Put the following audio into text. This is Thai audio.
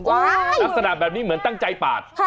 ลักษณะแบบนี้เหมือนตั้งใจปาด